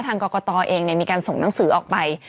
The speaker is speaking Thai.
ทางกรกตเองมีการส่งหนังสือออกไป